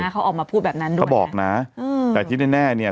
เขาออกมาพูดแบบนั้นด้วยเขาบอกนะแต่ที่แน่เนี่ย